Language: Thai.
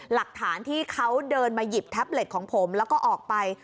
หลักฐานที่เขาเดินมาหยิบแท็บเล็ตของผมแล้วก็ออกไป